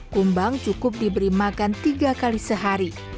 kumbang cukup diberi makan tiga kali sehari